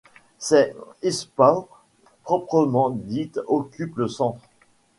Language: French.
Celle d'Hsipaw proprement dite occupe le centre.